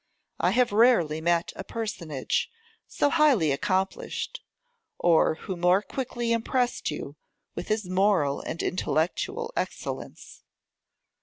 I have rarely met a personage so highly accomplished, or who more quickly impressed you with his moral and intellectual excellence.